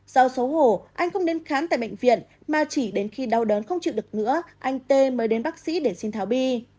do xấu hổ anh không đến khám tại bệnh viện mà chỉ đến khi đau đớn không chịu được nữa anh tê mới đến bác sĩ để xin tháo bi